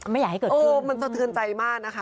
ไม่อยากให้เกิดขึ้นคือมันสะเทือนใจมากนะคะ